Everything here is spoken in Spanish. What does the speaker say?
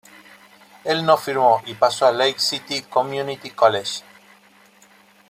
Él no firmó, y pasó a Lake City Community College.